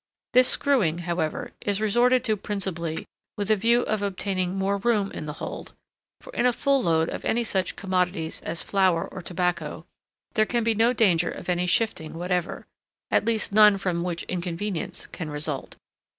This screwing, however, is resorted to principally with a view of obtaining more room in the hold; for in a full load of any such commodities as flour or tobacco, there can be no danger of any shifting whatever, at least none from which inconvenience can result.